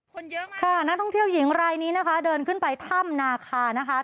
คนเยอะค่ะนักท่องเที่ยวหญิงรายนี้นะคะเดินขึ้นไปถ้ำนาคานะคะ